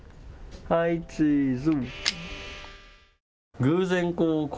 はい、チーズ。